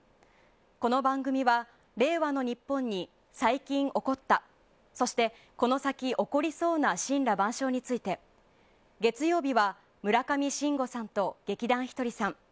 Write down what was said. この番組は令和の日本に最近起こったそして、この先起こりそうな森羅万象について月曜日は村上信五さんと劇団ひとりさん。